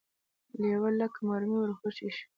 لېوه لکه مرمۍ ور خوشې شو.